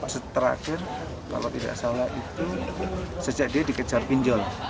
seteraken kalau tidak salah itu sejak dia dikejar pinjol